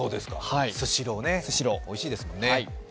スシローね、おいしいですもんね。